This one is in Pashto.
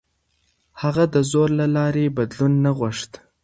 هغه د زور له لارې بدلون نه غوښت.